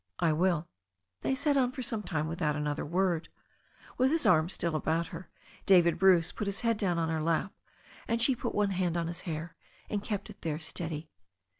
"I will." They sat on for some time without another word. With his arms still about her, David Bruce put his head down on her lap, and she put one hand on his hair, and kept it there steady.